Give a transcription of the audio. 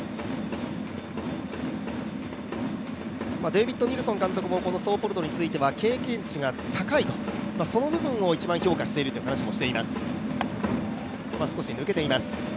デービッド・ニルソン監督も、このソーポルドに関しては経験値が高いと、その部分を一番評価しているという話もしています。